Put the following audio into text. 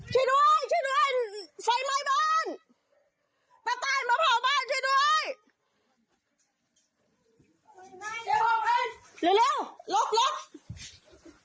ช่วยด้วยช่วยด้วยไฟไหม้บ้านป้าตายมาเผาบ้านช่วยด้วยเร็วล็อก